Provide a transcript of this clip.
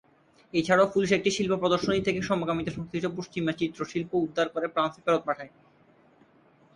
এছাড়াও পুলিশ একটি শিল্প প্রদর্শনী থেকে সমকামিতা সংশ্লিষ্ট পশ্চিমা চিত্রশিল্প উদ্ধার করে ফ্রান্সে ফেরত পাঠায়।